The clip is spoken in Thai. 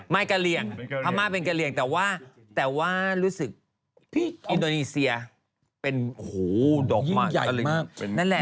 อ๋อไม่กะเหลียกพม่าเป็นกะเหลียกแต่ว่ารู้สึกอิดองีเซียโหดอกมากเยี่ยมใหญ่